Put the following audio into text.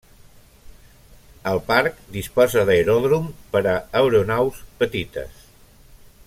El parc disposa d'aeròdrom per a aeronaus petites.